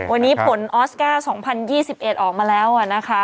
วันนี้ผลออสการ์๒๐๒๑ออกมาแล้วนะคะ